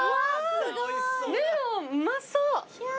メロンうまそう。